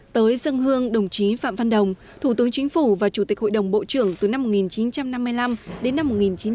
tới dân hương đồng chí phạm văn đồng thủ tướng chính phủ và chủ tịch hội đồng bộ trưởng từ năm một nghìn chín trăm năm mươi năm đến năm một nghìn chín trăm bảy mươi